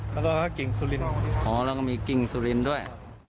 แล้วก็กิ่งสุรินอ๋อแล้วก็มีกิ่งสุรินทร์ด้วย